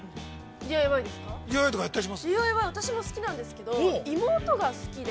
◆ＤＩＹ私も好きなんですけど、妹が好きで。